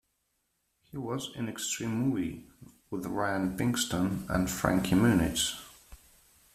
He was in "Extreme Movie" with Ryan Pinkston and Frankie Muniz.